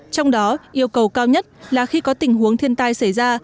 trong đó yêu cầu cao nhất là khi có tình huống thiên tai xảy ra